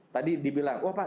tadi dibilang wah pak